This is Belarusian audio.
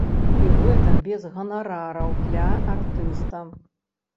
І гэта без ганарараў для артыста.